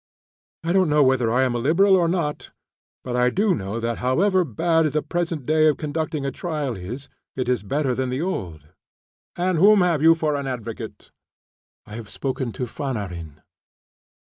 "I don't know whether I am a Liberal or not; but I do know that however had the present way of conducting a trial is, it is better than the old." "And whom have you for an advocate?" "I have spoken to Fanarin."